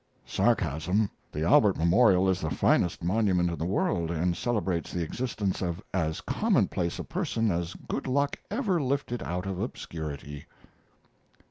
[Sarcasm. The Albert memorial is the finest monument in the world, and celebrates the existence of as commonplace a person as good luck ever lifted out of obscurity.